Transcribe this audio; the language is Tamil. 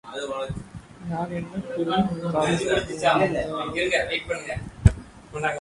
நான் என்ன பொருள் காக்கும் பூதமா?